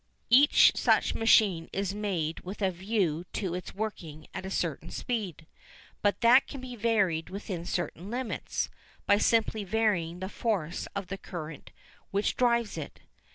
Each such machine is made with a view to its working at a certain speed, but that can be varied within certain limits, by simply varying the force of the current which drives it.